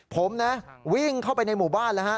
ผมนะวิ่งเข้าไปในหมู่บ้านแล้วฮะ